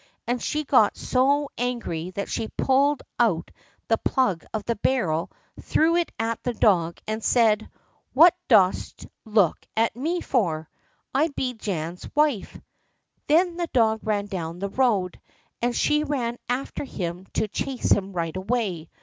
And she got so angry that she pulled out the plug of the barrel, threw it at the dog, and said: "What dost look at me for? I be Jan's wife." Then the dog ran down the road, and she ran after him to chase him right away.